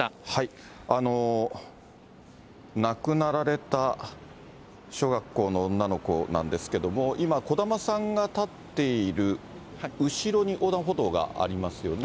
亡くなられた小学校の女の子なんですけれども、今、小玉さんが立っている後ろに横断歩道がありますよね。